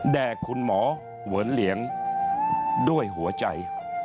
แด่คุณหมอเหวนเหลียงด้วยหัวใจ